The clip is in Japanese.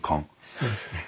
そうですね。